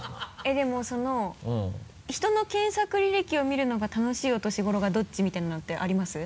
でも人の検索履歴を見るのが楽しいお年頃がどっちみたいなのってあります？